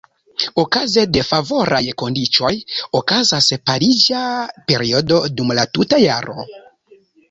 Okaze de favoraj kondiĉoj okazas pariĝa periodo dum la tuta jaro.